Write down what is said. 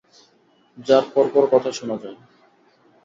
যার পরপর কথা শোনা যায়?